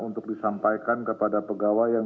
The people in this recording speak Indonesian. untuk disampaikan kepada pegawai yang